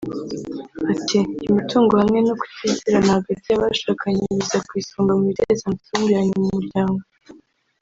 Ati “Imitungo hamwe no kutizerana hagati y’abashakanye biza ku isonga mu biteza amakimbirane mu muryango